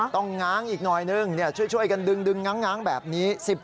ง้างอีกหน่อยนึงช่วยกันดึงง้างแบบนี้